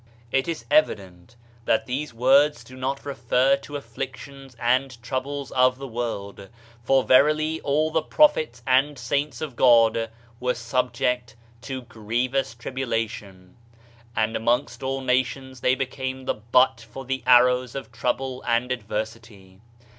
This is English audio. It is evident that these words do not refer to afflictions and troubles of the world, for verily all the pro phets and saints of God were subject to grievous tribulation; and amongst all nations they became the butt for the arrows of trouble and adversity.